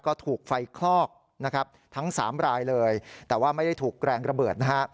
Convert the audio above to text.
ก็ถูกไฟคลอกนะครับทั้งสามรายเลยแต่ว่าไม่ได้ถูกแรงระเบิดนะฮะ